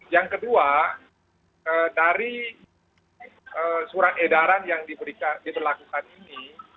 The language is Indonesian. yang kedua dari surat edaran yang diberlakukan ini